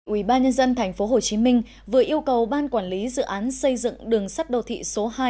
quỹ ban nhân dân tp hcm vừa yêu cầu ban quản lý dự án xây dựng đường sắt đầu thị số hai